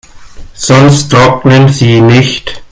Sonst trocknen sie nicht.